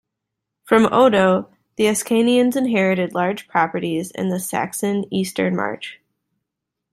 From Odo, the Ascanians inherited large properties in the Saxon Eastern March.